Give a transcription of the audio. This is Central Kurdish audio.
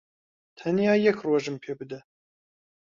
تەنیا یەک ڕۆژم پێ بدە.